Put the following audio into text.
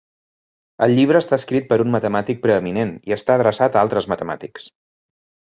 El llibre està escrit per un matemàtic preeminent i està adreçat a altres matemàtics.